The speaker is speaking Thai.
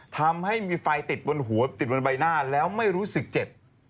ทำให้มีไฟติดบนหัวติดบนใบหน้าแล้วไม่รู้สึกเจ็บ